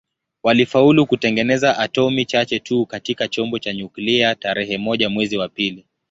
Walifaulu kutengeneza atomi chache tu katika chombo cha nyuklia tarehe moja mwezi wa pili